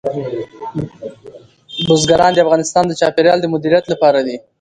بزګان د افغانستان د چاپیریال د مدیریت لپاره دي.